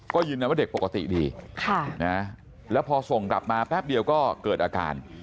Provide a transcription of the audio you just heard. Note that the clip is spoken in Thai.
ก็ยืนยันว่าเด็กปกติดีแล้วพอส่งกลับมาแป๊บเดียวก็เกิดอาการ